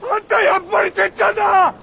やっぱりてっちゃんだ！